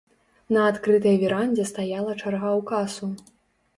На адкрытай верандзе стаяла чарга ў касу.